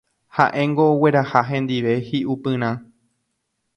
Ha'éngo ogueraha hendive hi'upyrã.